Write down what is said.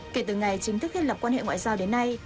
kể từ ngày chính thức thiết lập quan hệ ngoại giao đến nay